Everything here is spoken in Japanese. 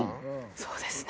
そうですね。